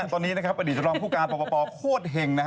ตอนนี้ประดิษฐรรมคู่การป่อโคตรเห็งนะฮะ